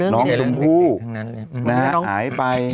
น้องชมพู่หายไป